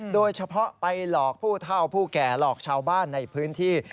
โดยเฉพาะไปหลอกผู้เท่าผู้แก่หลอกชาวบ้านในพื้นที่